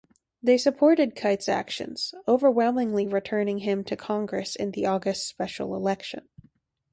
They supported Keitt's actions, overwhelmingly returning him to Congress in the August special election.